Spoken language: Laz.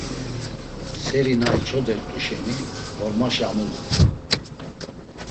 Seri na içodert̆u şeni, ğormaşa amulurt̆u.